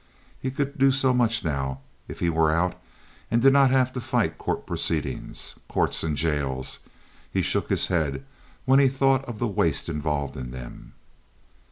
He could do so much now if he were out and did not have to fight court proceedings. Courts and jails! He shook his head when he thought of the waste involved in them.